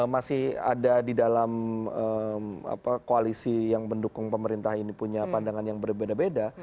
masih ada di dalam koalisi yang mendukung pemerintah ini punya pandangan yang berbeda beda